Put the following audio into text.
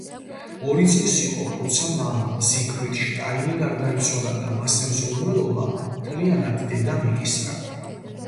ორი წლის იყო, როცა მამა, ზიგფრიდ შტაინი, გარდაიცვალა და მასზე მზრუნველობა მთლიანად დედამ იკისრა.